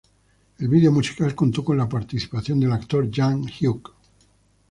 El video musical contó con la participación del actor Jang Hyuk.